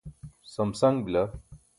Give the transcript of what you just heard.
samsaṅ bila